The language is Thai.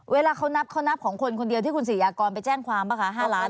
เวลาเขานับเขานับของคนคนเดียวที่คุณศรียากรไปแจ้งความป่ะคะ๕ล้าน